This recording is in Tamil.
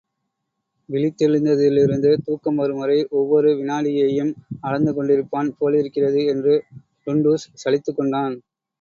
விழித்தெழுந்ததிலிருந்து தூக்கம் வரும்வரை ஒவ்வொரு வினாடியையும் அளந்து கொண்டிருப்பான் போலிருக்கிறது என்று டுன்டுஷ் சலித்துக் கொண்டான்.